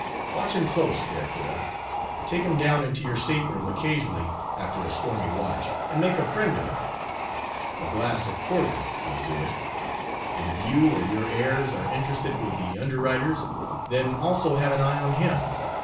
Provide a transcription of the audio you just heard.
Watch him close, therefore; take him down into your state room occasionally after a stormy watch, and make a friend of him. A glass of cordial will do it. And if you or your heirs are interested with the underwriters, then also have an eye on him.